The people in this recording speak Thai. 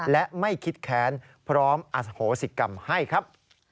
และไม่คิดแค้นพร้อมอโหสิกรรมให้ครับ